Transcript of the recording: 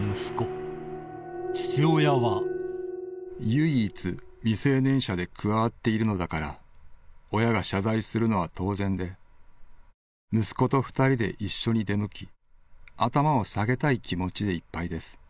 「唯一未成年者で加わっているのだから親が謝罪するのは当然で息子と二人で一緒に出向き頭を下げたい気持ちでいっぱいです。